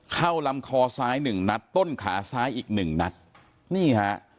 ลำคอซ้ายหนึ่งนัดต้นขาซ้ายอีกหนึ่งนัดนี่ฮะ